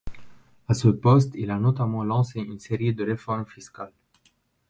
À ce poste, il a notamment lancé une série de réformes fiscales.